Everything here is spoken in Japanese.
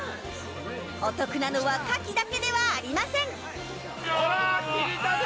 お得なのはカキだけではありません。